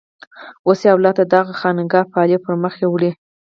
اوس یې اولاده دغه خانقاه پالي او پر مخ یې وړي.